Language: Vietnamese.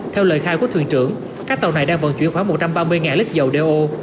theo lời khai của thuyền trưởng các tàu này đang vận chuyển khoảng một trăm ba mươi lít dầu đeo